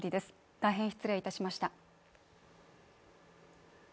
大変失礼いたしました。